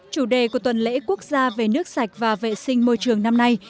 chủ đề của tuần lễ quốc gia về nước sạch và vệ sinh môi trường năm nay